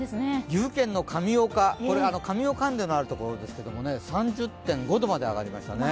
岐阜県の上岡、カミオカンデのあるところですけれども、３０．５度まで上がりましたね。